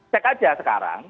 cek aja sekarang